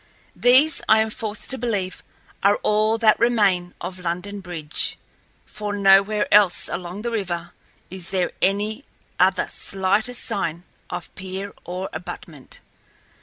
These, I am forced to believe, are all that remain of London Bridge, for nowhere else along the river is there any other slightest sign of pier or abutment.